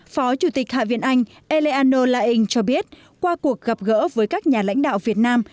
phó chủ tịch hạ viện anh eleano leing cho biết qua cuộc gặp gỡ với các nhà lãnh đạo việt nam